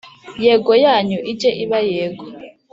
Yego yanyu ijye iba Yego